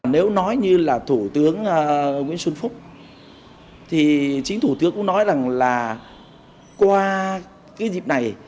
nếu nói như là thủ tướng nguyễn xuân phúc thì chính thủ tướng cũng nói rằng là qua cái dịp này